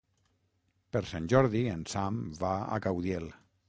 Per Sant Jordi en Sam va a Caudiel.